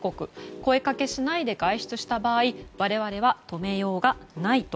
声かけしないで外出した場合我々は止めようがないと。